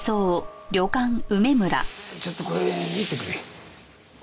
ちょっとこれ見てくれ。